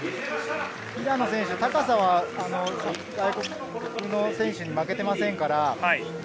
平野選手、高さは外国の選手に負けていませんから。